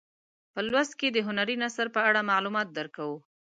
په لوست کې د هنري نثر په اړه معلومات درکوو.